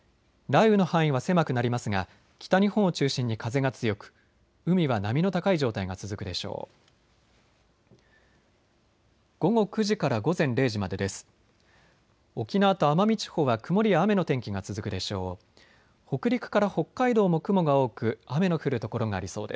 雷雨の範囲は狭くなりますが北日本を中心に風が強く海は波の高い状態が続くでしょう。